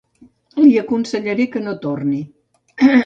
Li aconsellaré que no torni.